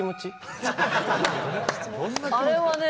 あれはね。